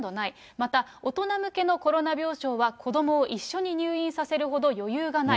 また、大人向けのコロナ病床は子どもを一緒に入院させるほど余裕がない。